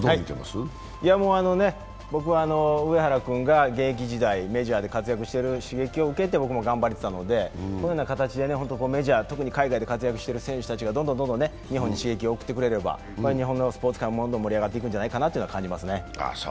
上原君が現役時代メジャーで活躍してる刺激を受けて僕も頑張れていたので、こういう形でメジャー、特に海外で活躍している選手たちがどんどん日本に刺激を送ってくれれば日本のスポーツ界盛り上がっていくんじゃないかと感じますね。